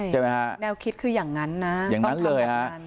ใช่แนวคิดคืออย่างนั้นนะต้องทำแบบนั้น